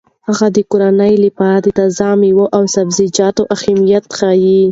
هغې د کورنۍ لپاره د تازه میوو او سبزیجاتو اهمیت ښيي.